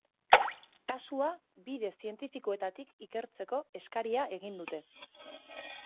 Kasua bide zientifikoetatik ikertzeko eskaria egin dute.